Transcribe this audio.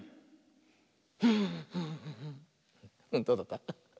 どうだった？